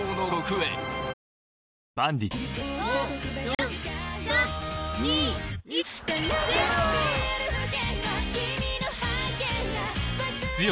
はい。